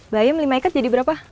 bayam lima ikat jadi berapa